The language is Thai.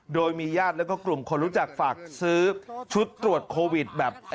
โดยมีญาติแล้วก็กลุ่มคนรู้จักฝากซื้อชุดตรวจโควิดแบบ